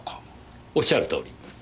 おっしゃるとおり。